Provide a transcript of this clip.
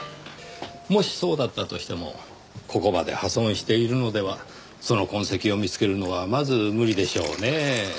もしそうだったとしてもここまで破損しているのではその痕跡を見つけるのはまず無理でしょうねぇ。